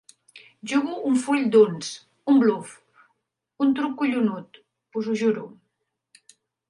Jugo un full d'uns, un bluf; un truc collonut, us ho juro.